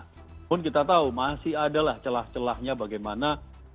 namun kita tahu masih adalah celah celahnya bagaimana